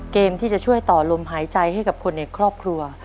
เกมที่จะช่วยต่อลมหายใจให้กับคนในครอบครัว